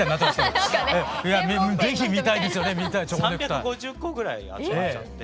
３５０個ぐらい集まっちゃって。